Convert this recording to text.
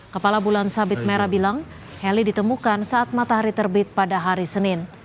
kepala bulan sabit merah bilang heli ditemukan saat matahari terbit pada hari senin